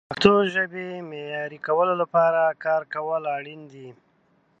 د پښتو ژبې معیاري کولو لپاره کار کول اړین دي.